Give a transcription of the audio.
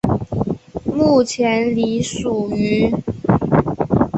目前隶属于。